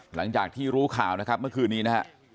หลังจากที่รู้ข่าวนะครับเมื่อคืนนี้นะฮะ